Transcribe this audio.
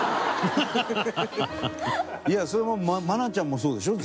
いやそれは愛菜ちゃんもそうでしょ？